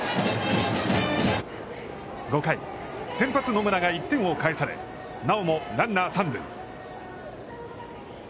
５回、先発野村が１点を返されなおもランナー三塁。